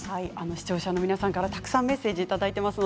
視聴者の皆さんからたくさんメッセージいただいています。